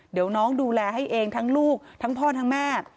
เดี๋ยวน้องดูแลให้เองทั้งลูกทั้งพ่อทั้งแม่